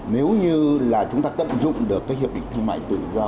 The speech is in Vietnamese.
nếu như là chúng ta tận dụng được cái hiệp định thương mại tự do